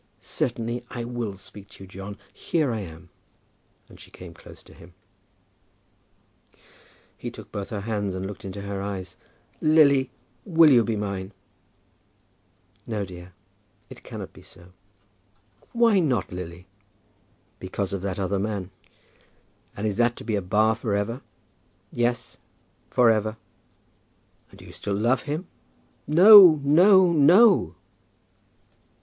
"Certainly I will speak to you, John. Here I am." And she came close to him. [Illustration: The last Denial.] He took both her hands, and looked into her eyes. "Lily, will you be mine?" "No, dear; it cannot be so." "Why not, Lily?" "Because of that other man." "And is that to be a bar for ever?" "Yes; for ever." "Do you still love him?" "No; no, no!"